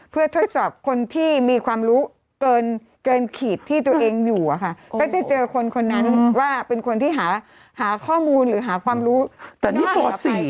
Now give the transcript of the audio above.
เพื่อทดสอบคนที่มีความรู้เกินขีดที่ตัวเองอยู่อะค่ะก็จะเจอคนคนนั้นว่าเป็นคนที่หาข้อมูลหรือหาความรู้แต่นี่ป๔